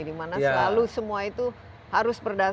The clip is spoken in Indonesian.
dimana selalu semua itu harus berdasarkan